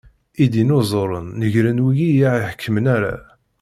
Idinuzuren negren wigi i aɣ-iḥekmen ala.